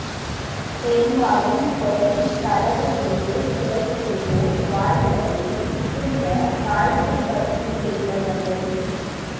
பெரும்பாலும் கொலை, களவு செய்து சிறைசெல்லுவோர் வாழ்க்கையில் மிகுந்த தாழ்ந்தபடியிலுள்ளவர்கள்.